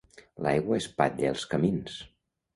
L'aigua espatlla els camins.